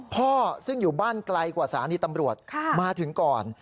พ่อซึ่งอยู่บ้านไกลกว่าสถานีตำรวจมาถึงก่อน